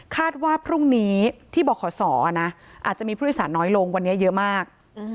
ว่าพรุ่งนี้ที่บขศอาจจะมีผู้โดยสารน้อยลงวันนี้เยอะมาก